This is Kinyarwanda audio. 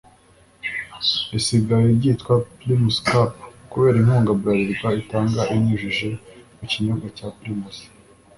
risigaye ryitwa ‘Primus Cup’ kubera inkunga Bralirwa itanga ibinyujije mu kinyobwa cya Primus